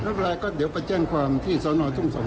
รายก็เดี๋ยวไปแจ้งความที่สอนอทุ่ง๒